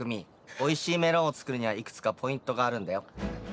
おいしいメロンを作るにはいくつかポイントがあるんだよ。